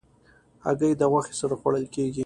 هګۍ د غوښې سره خوړل کېږي.